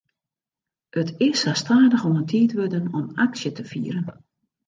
It is sa stadichoan tiid wurden om aksje te fieren.